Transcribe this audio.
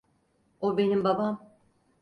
O benim babam.